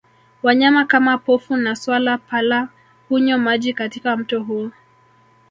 Wanyama kama pofu na swala pala hunywa maji katika mto huu